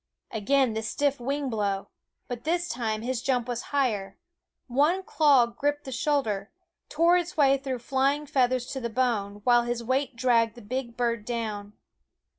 Again the stiff wing blow ; but this time his jump was higher; one claw gripped the shoulder, tore its way through flying feathers to the bone, while his weight dragged the big bird down.